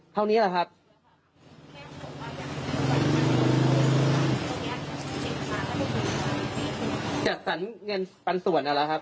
เท่านี้แหละครับ